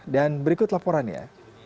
dan berikut laporannya